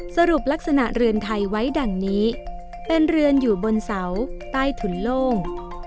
สรุปลักษณะเรือนไทยไว้ดังนี้เป็นเรือนอยู่บนเสาใต้ถุนโล่ง